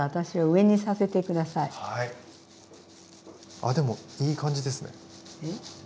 あでもいい感じですね。